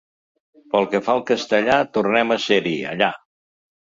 Pel que fa al castellà, tornem a ser-hi allà.